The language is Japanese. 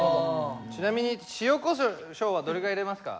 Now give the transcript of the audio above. ちなみに塩こしょうはどれぐらい入れますか？